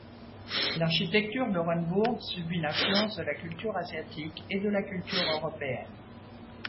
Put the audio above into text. L'architecture d'Orenbourg subit l'influence de la culture asiatique et de la culture européenne.